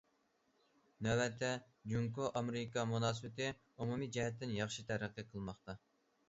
نۆۋەتتە جۇڭگو ئامېرىكا مۇناسىۋىتى ئومۇمىي جەھەتتىن ياخشى تەرەققىي قىلماقتا.